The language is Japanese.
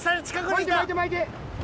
巻いて巻いて巻いて！